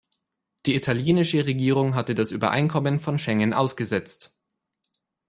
Die italienische Regierung hatte das Übereinkommen von Schengen ausgesetzt.